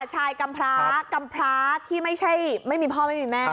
ชายกรรมพระกรรมพระที่ไม่ใช่ไม่มีพ่อไม่มีแม่นะ